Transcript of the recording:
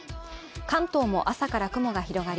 関東も朝から雲が広がり